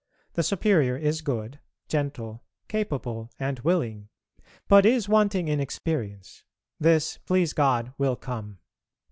The Superior is good, gentle, capable, and willing, but is wanting in experience; this, please God, will come.